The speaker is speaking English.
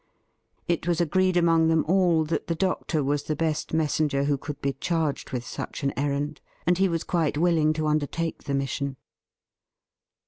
It was agreed among them all that the doctor was the best messenger who could be charged with such an errand, and he was quite willing to under take the mission.